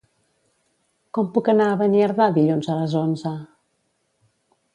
Com puc anar a Beniardà dilluns a les onze?